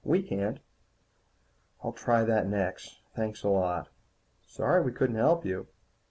We can't." "I'll try that next. Thanks a lot." "Sorry we couldn't help you."